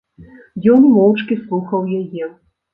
Ён моўчкі слухаў яе.